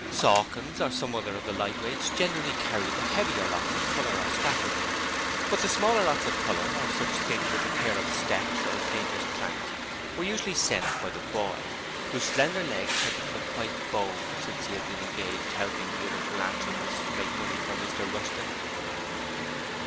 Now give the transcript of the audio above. Sawkins or some of the other lightweights generally carried the heavier lots of colour or scaffolding, but the smaller lots of colour or such things as a pair of steps or a painter's plank were usually sent by the boy, whose slender legs had become quite bowed since he had been engaged helping the other philanthropists to make money for Mr Rushton.